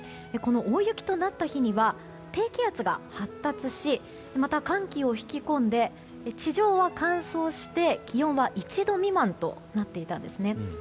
この大雪となった日には低気圧が発達しまた、寒気を引き込んで地上は乾燥して気温は１度未満となっていたんですね。